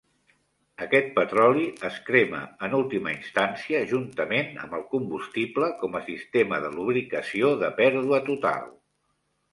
Aquest petroli es crema en última instància juntament amb el combustible com a sistema de lubricació de pèrdua total.